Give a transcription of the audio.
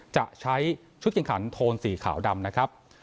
จะใช้ชุดแข่งขันโทนสีขาวดำนะครับ